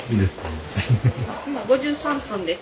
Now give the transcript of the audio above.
今５３分です。